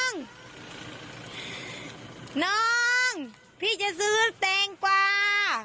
น้องพี่จะซื้อแตงกว่า